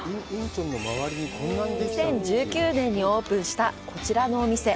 ２０１９年にオープンしたこちらのお店。